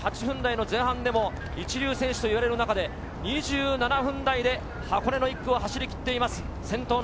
２８分台前半でも一流選手と言われる中で２７分台で箱根の１区を走りきっています。